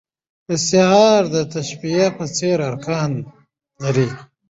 استعاره د تشبېه په څېر ارکان لري.